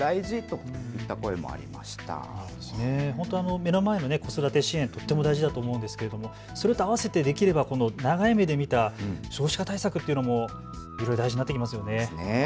目の前の子育て支援とっても大事だと思うんですけどそれとあわせてできれば長い目で見たら少子化対策っていうのもいろいろ大事になってきますよね。